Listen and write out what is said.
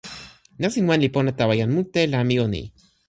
nasin wan li pona tawa jan mute la mi o ni.